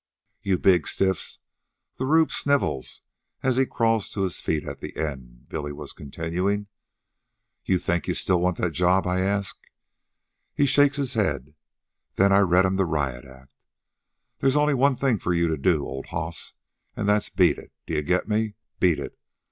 "'You big stiffs,' the rube snivels as he crawls to his feet at the end," Billy was continuing. "'You think you still want that job?' I ask. He shakes his head. Then I read'm the riot act 'They's only one thing for you to do, old hoss, an' that's beat it. D'ye get me? Beat it.